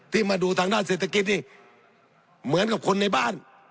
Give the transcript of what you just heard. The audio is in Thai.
ที่มาดูทางด้านเศรษฐกิจนี่เหมือนกับคนในบ้าน